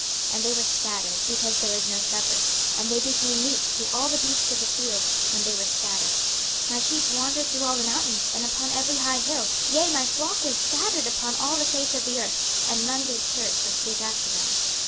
26:034:005 And they were scattered, because there is no shepherd: and they became meat to all the beasts of the field, when they were scattered. 26:034:006 My sheep wandered through all the mountains, and upon every high hill: yea, my flock was scattered upon all the face of the earth, and none did search or seek after them.